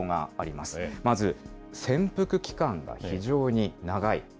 まず、潜伏期間が非常に長い。